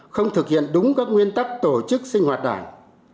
không thực hiện đúng các nguyên tắc tổ chức sinh hoạt đảng